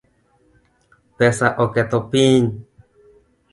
Pesa oketho piny